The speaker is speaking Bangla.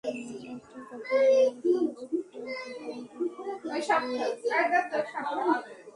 একটা কথা বলে রাখি, মাসুদ ভাই ঘোড়ার ঘরের একজন নিয়মিত খদ্দের।